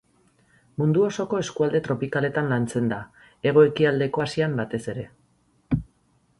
Mundu osoko eskualde tropikaletan lantzen da, Hego-ekialdeko Asian batez ere.